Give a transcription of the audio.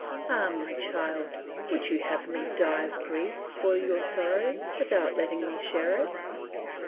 Ah, my child! would you have me die of grief for your sorrow without letting me share it?"